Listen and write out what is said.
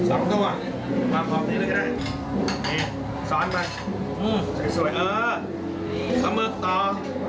โอเคมาต่อไปสุดท้ายผลักโรยครับ